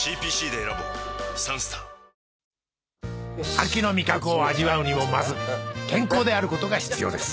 ［秋の味覚を味わうにもまず健康であることが必要です］